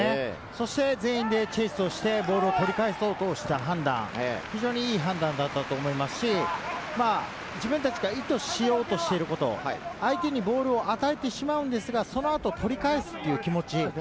そして全員でチェイスをしてボールを取り返そうとした判断、非常にいい判断だったと思いますし、自分たちが意図しようとしていること、相手にボールを与えてしまうんですが、その後、取り返すという気持ち。